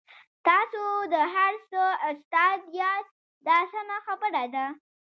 تاسو د هر څه استاد یاست دا سمه خبره ده.